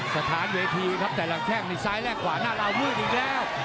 สถานเวทีครับแต่ละแข้งนี่ซ้ายแลกขวาหน้าลาวมืดอีกแล้ว